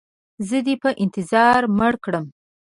زه دې په انتظار مړ کړم.